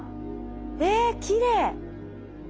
えきれい！